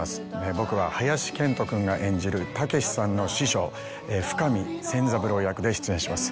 僕は林遣都君が演じるたけしさんの師匠深見千三郎役で出演します。